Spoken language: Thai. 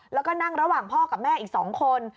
แล้วก็นั่งระหว่างพ่อกับแม่อีก๒คน